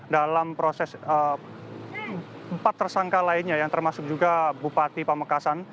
dalam proses empat tersangka lainnya yang termasuk juga bupati pamekasan